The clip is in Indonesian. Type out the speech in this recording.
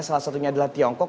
salah satunya adalah tiongkok